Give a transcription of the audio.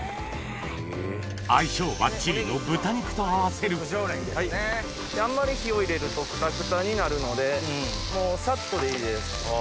相性バッチリの豚肉と合わせるあんまり火を入れるとくたくたになるのでサッとでいいです。